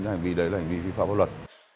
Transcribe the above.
hành vi đấy là hành vi phi pháp luật